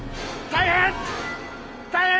大変！